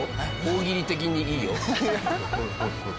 大喜利的にいいよ。